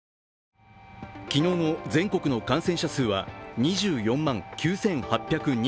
昨日の全国の感染者数は２４万９８２４人。